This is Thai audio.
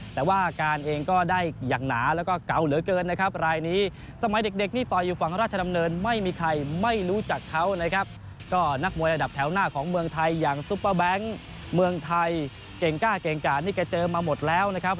แต่ว่าการเองก็ได้อย่างหนาแล้วก็เกาเหลือเกินนะครับ